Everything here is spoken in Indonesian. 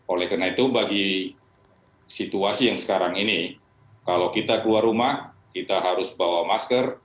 oleh karena itu bagi situasi yang sekarang ini kalau kita keluar rumah kita harus bawa masker